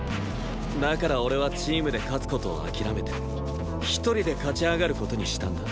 だから俺はチームで勝つ事を諦めて１人で勝ち上がる事にしたんだ。